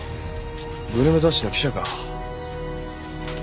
グルメ雑誌の記者か。